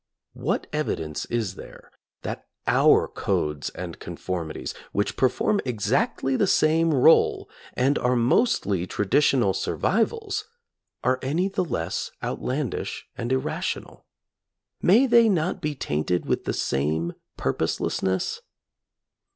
What evi dence is there that our codes and conformities which perform exactly the same role, and are mostly traditional survivals, are any the less out landish and irrational ? May they not be tainted with the same purposelessness